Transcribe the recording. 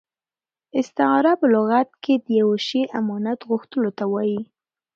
استعاره په لغت کښي د یوه شي امانت غوښتلو ته وايي.